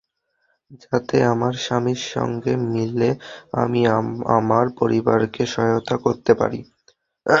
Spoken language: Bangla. যাতে আমার স্বামীর সঙ্গে মিলে আমি আমার পরিবারকে সহায়তা করতে পারি।